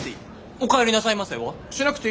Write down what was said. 「おかえりなさいませ」は？